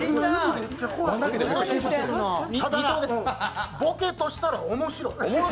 ただ、ボケとしたら面白い！